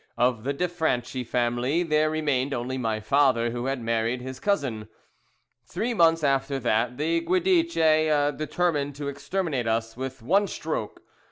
Of the de Franchi family there remained only my father, who had married his cousin. Three months after that the Guidice determined to exterminate us with one stroke.